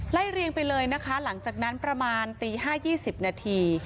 เรียงไปเลยนะคะหลังจากนั้นประมาณตี๕๒๐นาที